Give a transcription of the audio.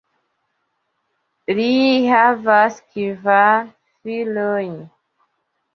Li havas kvar filojn.